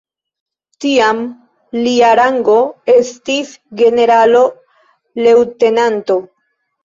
Tiam lia rango estis generalo-leŭtenanto.